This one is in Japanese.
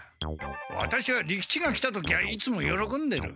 ワタシは利吉が来た時はいつもよろこんでる。